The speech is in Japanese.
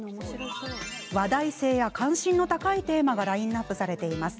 話題性や関心の高いテーマがラインナップされています。